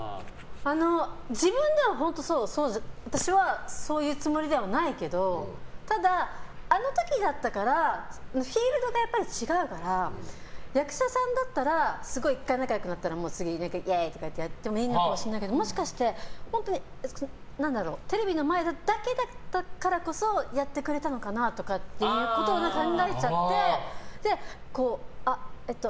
自分では私はそういうつもりではないけどただ、あの時だったからフィールドがやっぱり違うから役者さんだったら１回仲良くなったらもう次イエーイとかやってもいいのかもしれないけどもしかして、本当にテレビの前だけだったからこそやってくれたのかなとかっていうことを考えちゃってえっと